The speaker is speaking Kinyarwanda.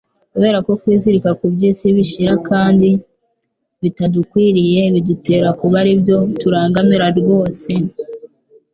kuberako kwizirika ku by'isi bishira kandi bitadukwiriye bidutera kuba ari byo turangamira rwose.